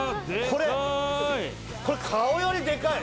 これ顔よりでかい。